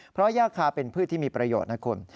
เพราะย่าคาเป็นพืชที่มีประโยชน์นะคุณ